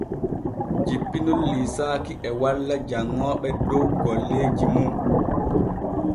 Jippinol liisaaki e walla janŋooɓe dow golleeji mum.